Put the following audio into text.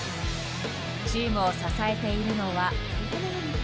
チームを支えているのは。